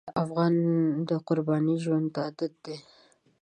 افغان د قربانۍ ژوند ته عادت دی.